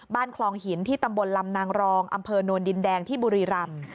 คลองหินที่ตำบลลำนางรองอำเภอโนนดินแดงที่บุรีรำ